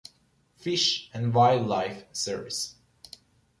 Fish and Wildlife Service.